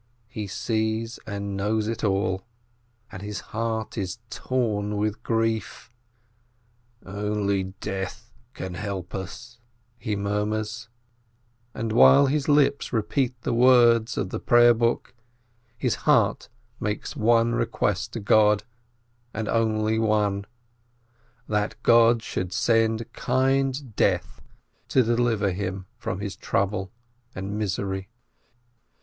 He sees and knows it all, and his heart is torn with grief. "Only death can help us," he murmurs, and while his lips repeat the words of the prayer book, his heart makes one request to God and only one : that God should send kind Death to deliver him from his trouble and misery.